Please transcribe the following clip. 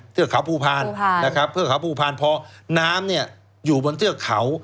เทือกเขาภูพาลนะครับเทือกเขาภูพาลพอน้ำเนี่ยอยู่บนเทือกเขา